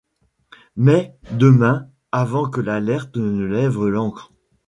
Mais... demain... avant que l’Alert ne lève l’ancre...